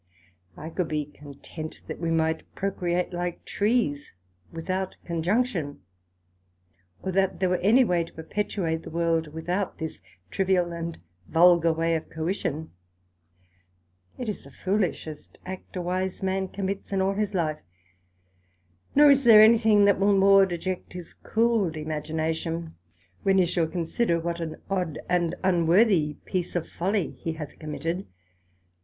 I could be content that we might procreate like trees, without conjunction, or that there were any way to perpetuate the World without this trivial and vulgar way of coition; it is the foolishest act a wise man commits in all his life; nor is there any thing that will more deject his cool'd imagination, when he shall consider what an odd and unworthy piece of folly he hath committed.